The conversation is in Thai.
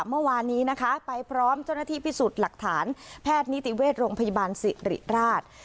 เมื่อวานนี้นะคะไปพร้อมเจ้าหน้าที่พิสูจน์หลักฐานแพทย์นิติเวชโรงพยาบาลสิริราช